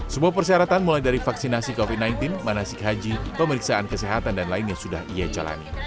semua persyaratan mulai dari vaksinasi covid sembilan belas manasik haji pemeriksaan kesehatan dan lainnya sudah ia jalani